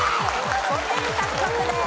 ５点獲得です。